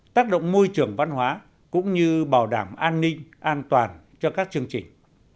tác động môi trường văn hóa cũng như bảo đảm an ninh an toàn cho các chương trình